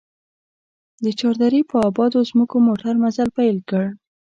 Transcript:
د چار درې په ابادو ځمکو موټر مزل پيل کړ.